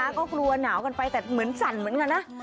ก็กลัวหนาวกันไปแต่เหมือนสั่นเหมือนกันนะ